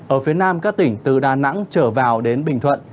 ở phía nam các tỉnh từ đà nẵng trở vào đến bình thuận